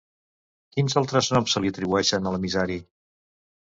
Quins altres noms se li atribueixen a l'emissari?